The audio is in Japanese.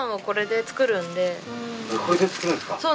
これで作るんですか。